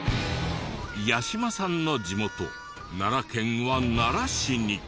八嶋さんの地元奈良県は奈良市に。